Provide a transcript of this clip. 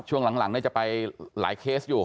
ช่วงหลังจะไปหลายเคสอยู่